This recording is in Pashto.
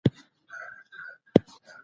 د شپې وختي ويده شئ.